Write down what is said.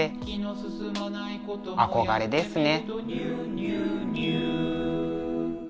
憧れですね。